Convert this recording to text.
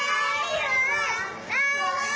ทุกอย่างเป็นชาติ